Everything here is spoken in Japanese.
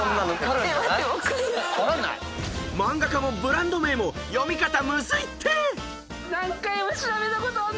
［漫画家もブランド名も読み方むずいって！］